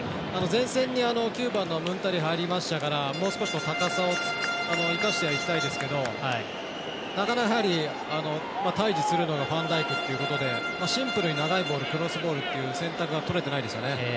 前線に９番のムンタリが入りましたからもう少し高さを生かしていきたいですけどなかなか、対じするのがファンダイクっていうことでシンプルに長いボールクロスボールっていう選択がとれてないですよね。